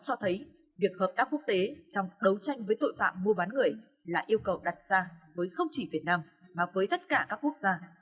cho thấy việc hợp tác quốc tế trong đấu tranh với tội phạm mua bán người là yêu cầu đặt ra với không chỉ việt nam mà với tất cả các quốc gia